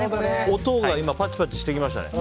音が今パチパチしてきましたね。